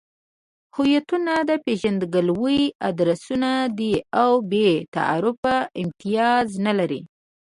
هویتونه د پېژندګلوۍ ادرسونه دي او بې تعارفه امتیاز نلري.